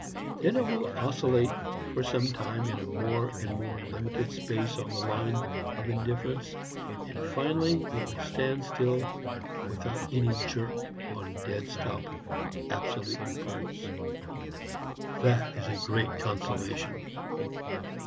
Then it will oscillate for some time in a more and more limited space on the line of Indifference, and finally it will stand still without any jerk on Dead Stop, Absolute Repose. That is a great consolation!"